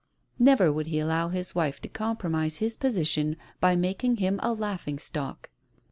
Never would he allow his wife to compromise his position by making him a laughing stock.